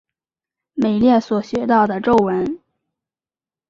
美列所学到的咒文。